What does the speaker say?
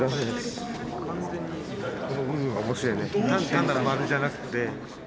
単なる丸じゃなくって。